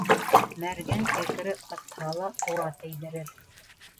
Мәргән кәкере атһа ла тура тейҙерер.